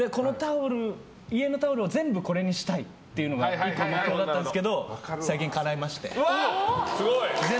家のタオルを全部これにしたいって目標があったんですけど最近、かないまして。